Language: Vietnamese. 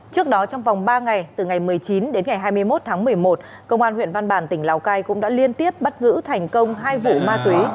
trước đó trong vòng ba ngày từ ngày một mươi chín đến ngày hai mươi một tháng một mươi một công an huyện văn bàn tỉnh lào cai cũng đã liên tiếp bắt giữ thành công hai vụ ma túy